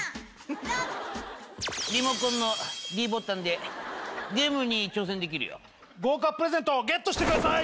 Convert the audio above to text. リモコンのｄボタンでゲームに挑戦できるよ豪華プレゼントをゲットしてください